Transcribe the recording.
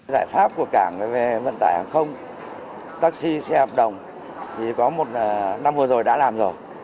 giải pháp của cảng về vận tải hàng không taxi xe hợp đồng thì có một năm vừa rồi đã làm rồi